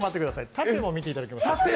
縦も見ていただきます。